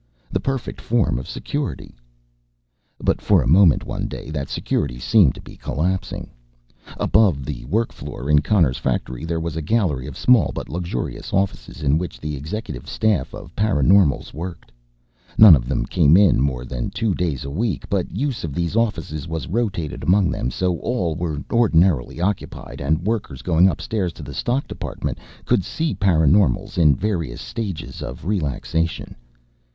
The perfect form of security." But for a moment one day that security seemed to be collapsing. Above the work floor in Connor's factory there was a gallery of small but luxurious offices in which the executive staff of paraNormals 'worked.' None of them came in more than two days a week but use of these offices was rotated among them so all were ordinarily occupied and workers, going upstairs to the stock depot, could see paraNormals in various stages of relaxation.